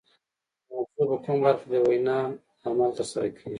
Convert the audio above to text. د مغزو په کومه برخه کې د وینا عمل ترسره کیږي